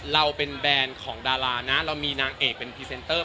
เราเป็นแบรนด์ของดารานะเรามีนางเอกเป็นพรีเซนเตอร์